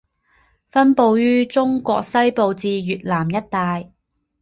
分布于中国西部至越南一带。